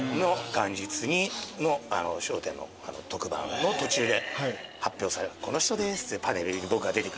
元日に『笑点』の特番の途中で発表されこの人ですってパネルで僕が出てくる。